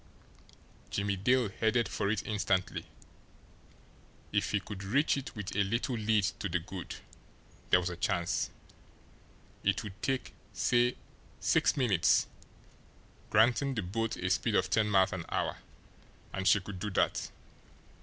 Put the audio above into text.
Jimmie Dale headed for it instantly. If he could reach it with a little lead to the good, there was a chance! It would take, say, six minutes, granting the boat a speed of ten miles an hour and she could do that.